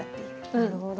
なるほど。